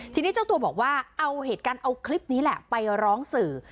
ทีนี้เจ้าตัวบอกว่าเอาเหตุการณ์เอาคลิปนี้แหละไปร้องสื่อ